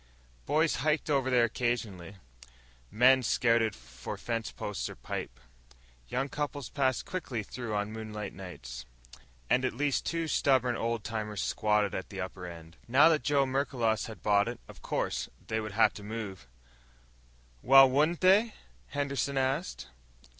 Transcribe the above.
Boys hiked over there occasionally. Men scouted for fence posts or pipe. Young couples passed quickly through on moonlight nights. And at least two stubborn old timers still squatted at the upper end. Now that Joe Merklos had bought it, of course, they would have to move. "Well, won't they?" Henderson asked.